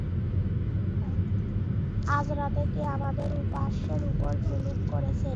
আজ রাতে কে আমাদের উপাস্যের উপর যুলুম করেছে?